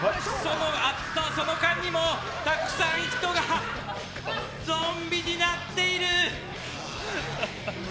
その間にもたくさん人がゾンビになっている。